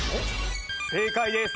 正解です。